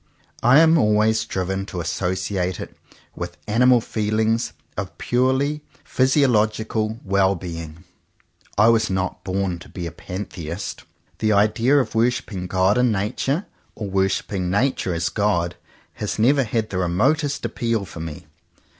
I am always driven to associate it with animal feelings of purely physiological well being. I was not born to be a Pantheist. The idea of worshipping God in Nature, or worshipping Nature as God, has never had the remotest appeal for me.